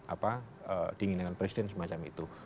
apa dingin dengan presiden semacam itu